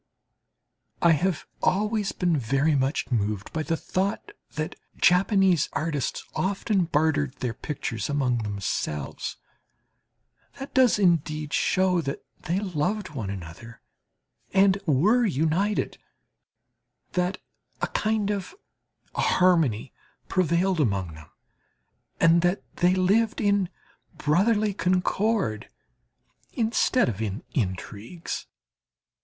I have always been very much moved by the thought that Japanese artists often bartered their pictures among themselves. That does indeed show that they loved one another and were united, that a kind of harmony prevailed among them, and that they lived in brotherly concord instead of in intrigues.